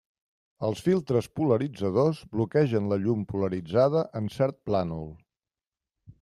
Els filtres polaritzadors bloquegen la llum polaritzada en cert plànol.